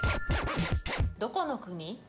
どこの国？